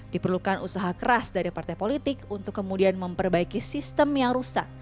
diperlukan usaha keras dari partai politik untuk kemudian memperbaiki sistem yang rusak